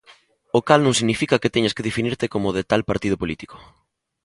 O cal non significa que teñas que definirte como de tal partido político.